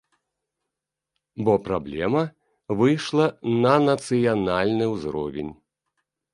Бо праблема выйшла на нацыянальны ўзровень.